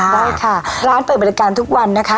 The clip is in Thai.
ได้ค่ะร้านเปิดบริการทุกวันนะคะ